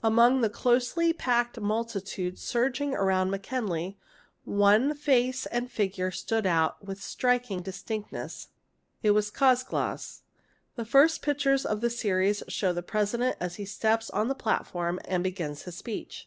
— Among the closely packed multitude surging around MacKinley, one face and figure stood out with striking distinctness. It was Czolgosz. The first pictures of the series show the President as he steps on the © platform and begins his speech.